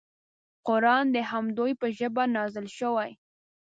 قران د همدوی په ژبه نازل شوی.